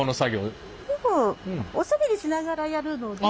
でもおしゃべりしながらやるので。